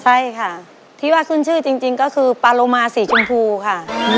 ใช่ค่ะที่ว่าขึ้นชื่อจริงก็คือปาโลมาสีชมพูค่ะ